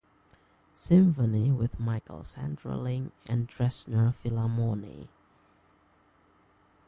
Symphonie with Michael Sanderling and the Dresdner Philharmonie.